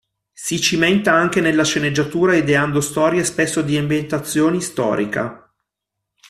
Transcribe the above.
Si cimenta anche nella sceneggiatura ideando storie spesso di ambientazioni storica.